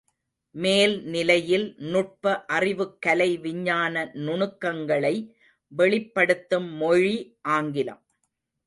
மேல் நிலையில் நுட்ப அறிவுக் கலை விஞ்ஞான நுணுக்கங்களை வெளிப்படுத்தும் மொழி ஆங்கிலம்.